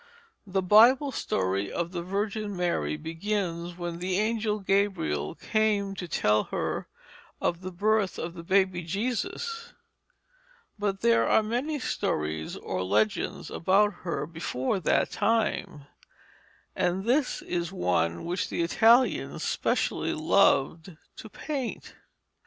The Bible story of the Virgin Mary begins when the Angel Gabriel came to tell her of the birth of the Baby Jesus, but there are many stories or legends about her before that time, and this is one which the Italians specially loved to paint.